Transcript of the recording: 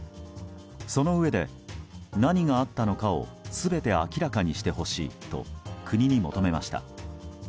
そのうえで、何があったのかを全て明らかにしてほしいと国に求めました。